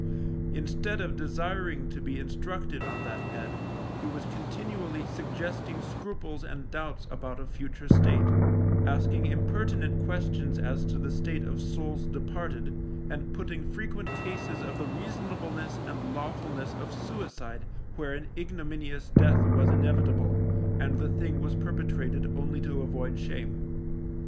Instead of desiring to be instructed on that head, he was continually suggesting scruples and doubts about a future state, asking impertinent questions as to the state of souls departed, and putting frequent cases of the reasonableness and lawfulness of suicide, where an ignominious death was inevitable, and the thing was perpetrated only to avoid shame.